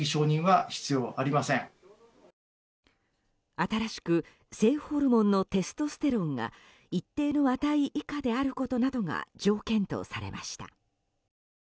新しく性ホルモンのテストステロンが一定の値以下であることなどが条件とされました。